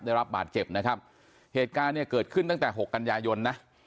ได้รับบาดเจ็บนะครับเหตุการณ์เนี่ยเกิดขึ้นตั้งแต่หกกันยายนนะ